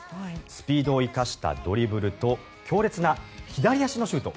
スピードを生かしたドリブルと強烈な左足のシュート。